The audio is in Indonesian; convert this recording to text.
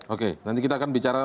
oke nanti kita akan bicara